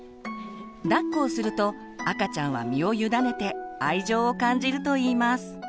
だっこをすると赤ちゃんは身を委ねて愛情を感じるといいます。